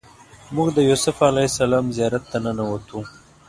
موږ د یوسف علیه السلام زیارت ته ننوتو.